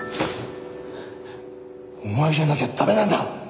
お前じゃなきゃ駄目なんだ！